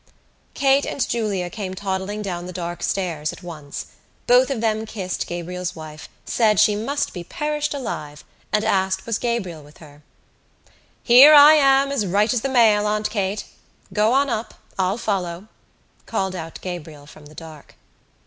Kate and Julia came toddling down the dark stairs at once. Both of them kissed Gabriel's wife, said she must be perished alive and asked was Gabriel with her. "Here I am as right as the mail, Aunt Kate! Go on up. I'll follow," called out Gabriel from the dark.